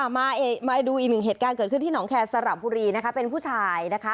มาดูอีกหนึ่งเหตุการณ์เกิดขึ้นที่หนองแคร์สระบุรีนะคะเป็นผู้ชายนะคะ